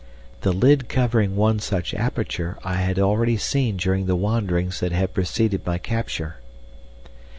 The lid covering one such aperture I had already seen during the wanderings that had preceded my capture.